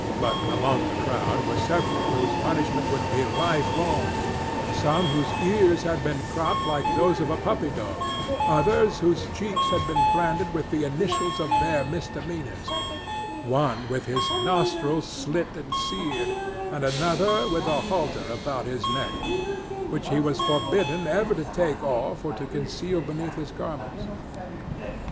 But among the crowd were several whose punishment would be lifelong—some whose ears had been cropped like those of puppy dogs, others whose cheeks had been branded with the initials of their misdemeanors; one with his nostrils slit and seared, and another with a halter about his neck, which he was forbidden ever to take off or to conceal beneath his garments.